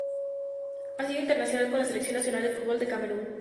Ha sido internacional con la Selección nacional de fútbol de Camerún.